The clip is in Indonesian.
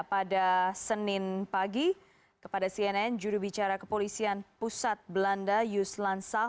pada senin pagi kepada cnn juru bicara kepolisian pusat belanda jus lansah